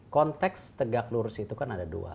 konteks tegak lurus itu kan ada dua